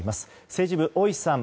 政治部・大石さん